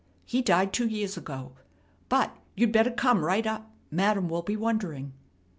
He died two years ago. But you better come right up. Madam will be wondering."